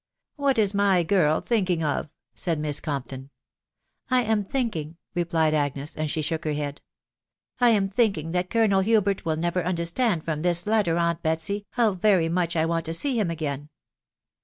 " What is my girl thinking of?" said Miss Compton. " I am thinking," replied Agnes, *nd she shook her head, " I am thinking that Colonel Hubert will never understand from this letter, aunt Betsy, how very much I want to see him again."